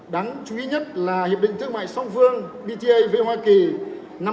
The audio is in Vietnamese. đáng chú ý nhất là hiệp định thương mại song phương bta với hoa kỳ năm hai nghìn